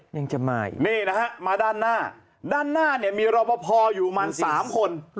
นี่นะฮะมาด้านหน้าด้านหน้าเนี่ยมีรบพออยู่มัน๓คน